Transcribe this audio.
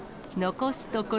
残すところ